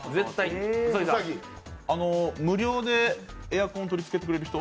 無料でエアコンを取り付けてくれる人？